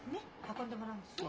運んでもらうんでしょ？